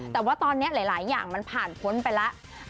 แต่ว่าตอนนี้หลายอย่างมันผ่านพ้นไปแล้ว